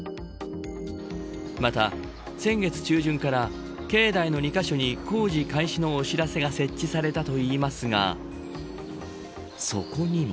また、先月中旬から境内の２カ所に工事開始のお知らせが設置されたといいますがそこにも。